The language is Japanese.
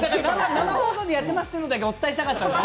生放送でやってますってことだけお伝えしたかったんです。